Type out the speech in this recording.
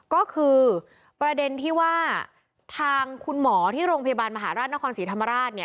ก็คือประเด็นที่ว่าทางคุณหมอที่โรงพยาบาลมหาราชนครศรีธรรมราชเนี่ย